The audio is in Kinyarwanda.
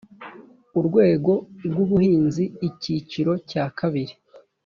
urwego rw’ubuhinzi icyiciro cya kabiri